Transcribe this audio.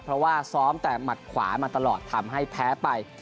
เพราะว่าซ้อมแต่หมัดขวามาตลอดทำให้แพ้ไป